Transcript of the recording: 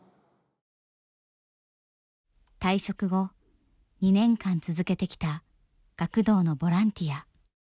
退職後２年間続けてきた学童のボランティア。